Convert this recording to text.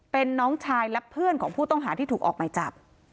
เป็นน้องชายและเพื่อนของผู้ต้องหาที่ถูกออกหมายจับ